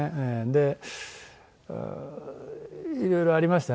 でいろいろありましたね。